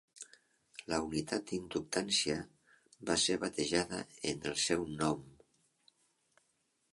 La unitat d'inductància va ser batejada en el seu nom.